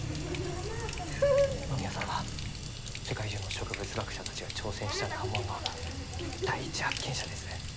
野宮さんは世界中の植物学者たちが挑戦した難問の第一発見者です。